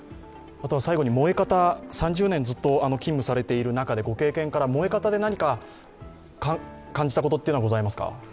３０年ずっと勤務されている中でご経験から燃え方で何か感じたことはありますか？